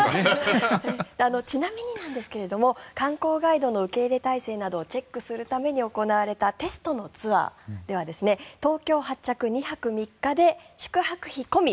ちなみになんですが観光ガイドの受け入れ体制などをチェックするために行われたテストのツアーでは東京発着２泊３日で宿泊費込み